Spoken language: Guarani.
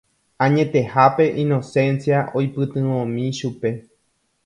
Añetehápe Inocencia oipytyvõmi chupe.